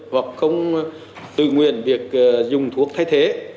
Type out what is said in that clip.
hoặc không tự nguyện việc dùng thuốc thay thế